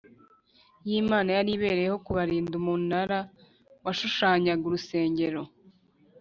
y’imana yari abereyeho kubarinda umunara washushanyaga urusengero